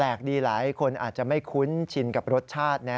ดีหลายคนอาจจะไม่คุ้นชินกับรสชาตินะ